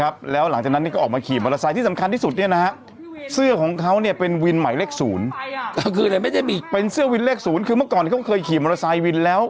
เป็นเสื้อวินเล็กศูนย์คือเมื่อก่อนเขาเคยขี่มอเตอร์ไซค์วินแล้ว